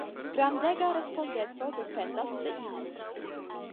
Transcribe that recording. Grandega respondeco dependas de ili.